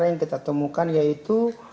yang kita temukan yaitu